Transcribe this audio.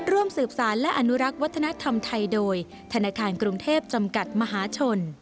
ร่วมสืบสารและอนุรักษ์วัฒนธรรมไทยโดยธนาคารกรุงเทพจำกัดมหาชน